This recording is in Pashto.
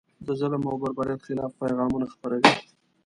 د ظلم او بربریت خلاف پیغامونه خپروي.